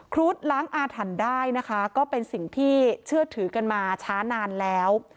รุ๊ดล้างอาถรรพ์ได้นะคะก็เป็นสิ่งที่เชื่อถือกันมาช้านานแล้ว